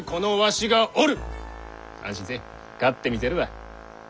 安心せい勝ってみせるわ。